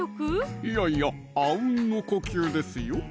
いやいやあうんの呼吸ですよ